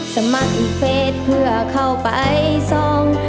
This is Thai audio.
สมัครเฟสเพื่อเข้าไปส่อง